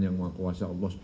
yang mengakuasa allah